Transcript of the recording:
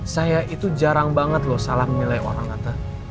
saya itu jarang banget loh salah menilai orang ngata